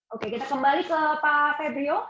oke kita kembali ke pak febrio